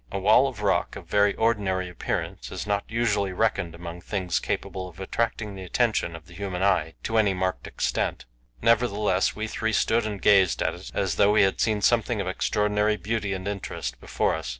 A wall of rock of very ordinary appearance is not usually reckoned among things capable of attracting the attention of the human eye to any marked extent; nevertheless, we three stood and gazed at it, as though we had something of extraordinary beauty and interest before us.